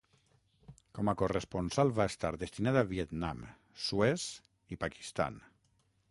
Com a corresponsal va estar destinat a Vietnam, Suez i Pakistan.